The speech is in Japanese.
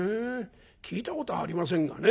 聞いたことありませんがね。